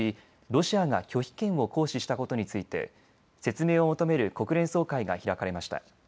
ロシアが拒否権を行使したことについて説明を求める国連総会が開かれました。